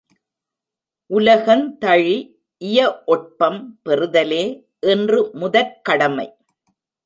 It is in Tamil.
உலகந்தழிஇய ஒட்பம் பெறுதலே இன்று முதற்கடமை.